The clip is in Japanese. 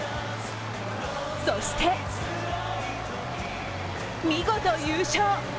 そして見事優勝！